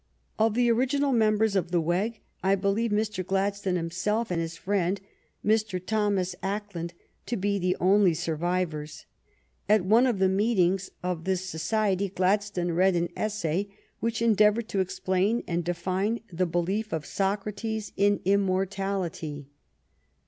Of the original members of the Weg, 1 believe Mr. Gladstone himself and his friend. Sir Thomas Acland, to be the only survivors. At one of the meetings of this society Gladstone read an essay which endeavored to explain and define the belief of Socrates in im morality.